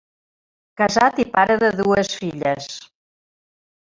Casat i pare de dues filles.